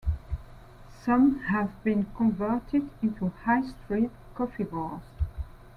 Some have been converted into High Street coffee bars.